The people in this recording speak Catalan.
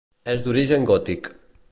És d'origen gòtic.